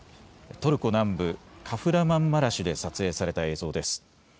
トルコ南部カフラマンマラシュで撮影された映像です。